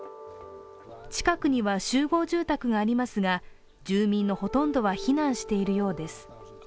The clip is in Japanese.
近くには集合住宅がありますが住民のほとんどは避難しているようです。